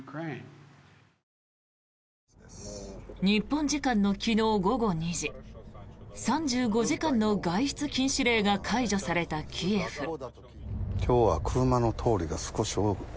日本時間の昨日午後２時３５時間の外出禁止令が解除されたキエフ。